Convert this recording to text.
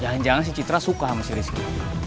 jangan jangan si citra suka sama si rizky